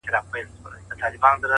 له دېوالونو یې رڼا پر ټوله ښار خپره ده،